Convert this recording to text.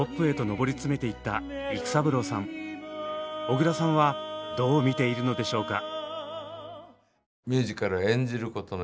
小椋さんはどう見ているのでしょうか。